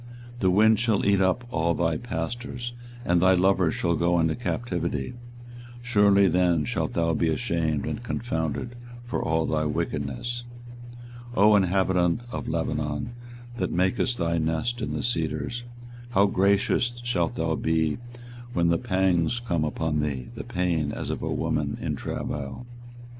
24:022:022 The wind shall eat up all thy pastors, and thy lovers shall go into captivity: surely then shalt thou be ashamed and confounded for all thy wickedness. 24:022:023 O inhabitant of Lebanon, that makest thy nest in the cedars, how gracious shalt thou be when pangs come upon thee, the pain as of a woman in travail!